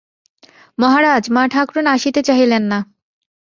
মহারাজ, মা-ঠাকরুন আসিতে চাহিলেন না।